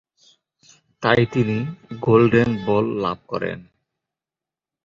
তাই তিনি Golden Ball লাভ করেন।